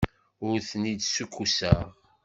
Ur ten-id-ssukkuseɣ.